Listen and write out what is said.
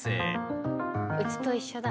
うちと一緒だ。